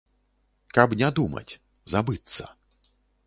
Каб не думаць, забыцца.